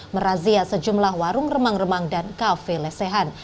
merazia sejumlah warung remang remang dan kafe lesehan